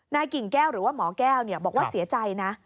กิ่งแก้วหรือว่าหมอแก้วบอกว่าเสียใจนะ